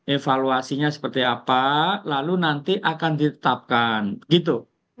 evaluasinya seperti apa lalu nanti akan ditetapkan gitu